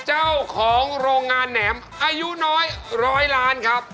เจ้าของโรงงานแหนมอายุน้อยร้อยล้านครับ